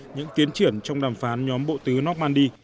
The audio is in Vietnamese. những tiến triển trong đàm phán nhóm bộ tứ normandy